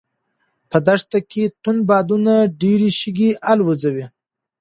په دښته کې توند بادونه ډېرې شګې الوځوي.